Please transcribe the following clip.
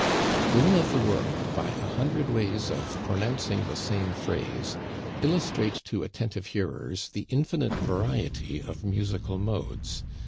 Women of the world, by a hundred ways of pronouncing the same phrase, illustrate to attentive hearers the infinite variety of musical modes.